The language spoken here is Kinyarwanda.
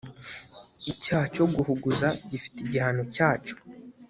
icyaha cyo guhuguza gifite igihano cyacyo